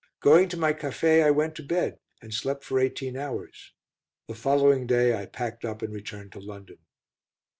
Going to my café, I went to bed, and slept for eighteen hours; the following day I packed up and returned to London.